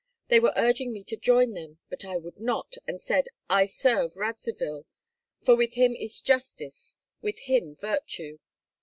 They were urging me to join them; but I would not, and said, 'I serve Radzivill; for with him is justice, with him virtue.'